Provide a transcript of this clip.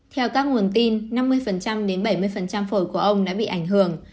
theo các nguồn tin năm mươi đến bảy mươi phổi của ông đã bị ảnh hưởng